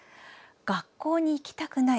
「学校に行きたくない」